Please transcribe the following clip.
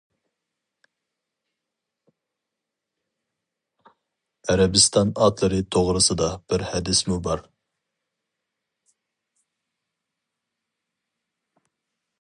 ئەرەبىستان ئاتلىرى توغرىسىدا بىر ھەدىسمۇ بار.